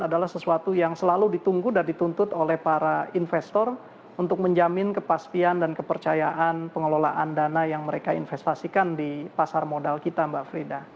adalah sesuatu yang selalu ditunggu dan dituntut oleh para investor untuk menjamin kepastian dan kepercayaan pengelolaan dana yang mereka investasikan di pasar modal kita mbak frida